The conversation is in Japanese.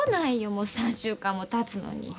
もう３週間もたつのに。